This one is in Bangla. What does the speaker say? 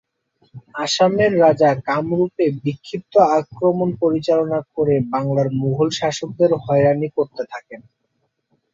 আসামের রাজা কামরূপে বিক্ষিপ্ত আক্রমণ পরিচালনা করে বাংলার মুগল শাসকদের হয়রানি করতে থাকেন।